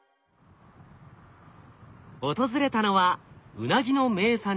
訪れたのはウナギの名産地